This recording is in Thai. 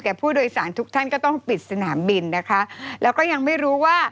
ผู้โดยสารทุกท่านก็ต้องปิดสนามบินนะคะแล้วก็ยังไม่รู้ว่า